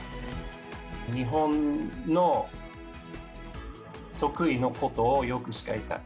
日本の得意のことをよく使いたい。